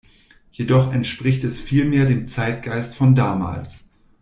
Jedoch entspricht es viel mehr dem Zeitgeist von damals.